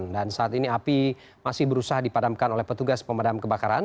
dan saat ini api masih berusaha dipadamkan oleh petugas pemadam kebakaran